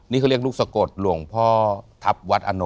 นี่เรียกลูกศักดิ์หลวงพ่อทัพวัดอเน่ง